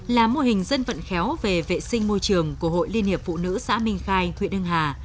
là mô hình dân vận khéo về vệ sinh môi trường của hội liên hiệp phụ nữ xã minh khai huyện hưng hà